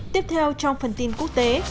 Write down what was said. tiếp theo trong phần tin quốc tế